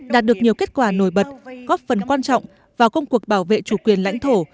đạt được nhiều kết quả nổi bật góp phần quan trọng vào công cuộc bảo vệ chủ quyền lãnh thổ